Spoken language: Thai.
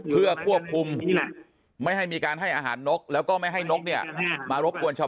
เพื่อควบคุมไม่ให้มีการให้อาหารนกแล้วก็ไม่ให้นกเนี่ยมารบกวนชาว